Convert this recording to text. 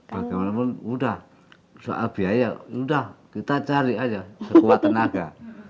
bagaimanapun udah soal biaya sudah kita cari aja sekuat tenaga